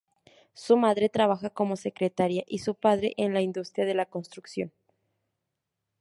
Su madre trabajaba como secretaria y su padre en la industria de la construcción.